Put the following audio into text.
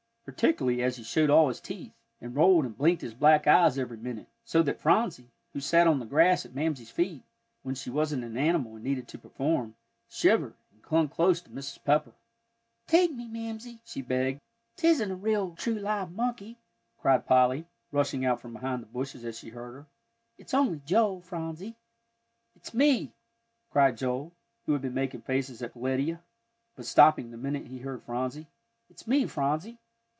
Particularly as he showed all his teeth, and rolled and blinked his black eyes every minute, so that Phronsie, who sat on the grass at Mamsie's feet, when she wasn't an animal and needed to perform, shivered, and clung close to Mrs. Pepper. "Take me, Mamsie," she begged. "'Tisn't a real, true, live monkey," cried Polly, rushing out from behind the bushes as she heard her, "it's only Joel, Phronsie." "It's me," cried Joel, who had been making faces at Peletiah, but stopping the minute he heard Phronsie. "It's me, Phronsie."